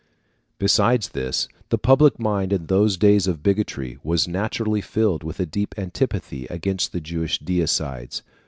Besides this, the public mind in those days of bigotry was naturally filled with a deep antipathy against the Jewish deicides.